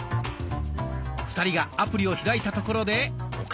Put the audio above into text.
２人がアプリを開いたところで岡嶋さん。